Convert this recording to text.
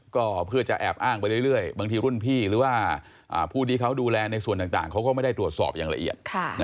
ก็เพื่อจะแอบอ้างไปเรื่อยบางทีรุ่นพี่หรือว่าผู้ที่เขาดูแลในส่วนต่างเขาก็ไม่ได้ตรวจสอบอย่างละเอียด